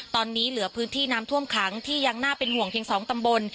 ตอนนี้เหลือพื้นที่น้ำท่วมขังที่ยังน่าเป็นห่วงเพียง๒ตำบล